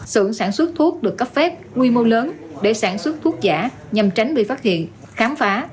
sưởng sản xuất thuốc được cấp phép quy mô lớn để sản xuất thuốc giả nhằm tránh bị phát hiện khám phá